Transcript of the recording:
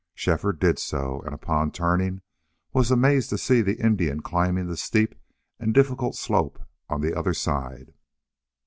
Shefford did so, and, upon turning, was amazed to see the Indian climbing the steep and difficult slope on the other side.